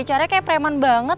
bicara kayak preman banget